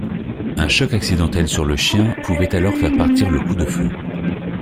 Un choc accidentel sur le chien pouvait alors faire partir le coup de feu.